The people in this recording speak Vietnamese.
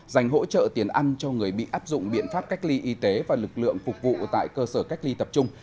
dành hỗ trợ tiền ăn cho người bị áp dụng biện pháp cách ly y tế và lực lượng phục vụ tại cơ sở cách ly tập trung